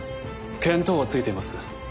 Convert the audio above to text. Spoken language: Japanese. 見当はついています。